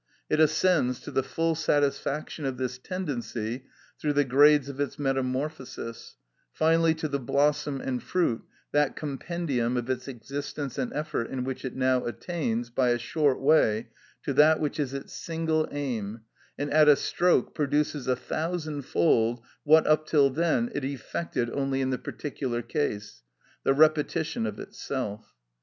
It ascends to the full satisfaction of this tendency through the grades of its metamorphosis, finally to the blossom and fruit, that compendium of its existence and effort in which it now attains, by a short way, to that which is its single aim, and at a stroke produces a thousand fold what, up till then, it effected only in the particular case—the repetition of itself.